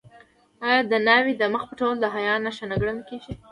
آیا د ناوې د مخ پټول د حیا نښه نه ګڼل کیږي؟